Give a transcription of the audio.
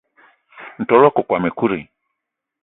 Ntol wakokóm ekut i?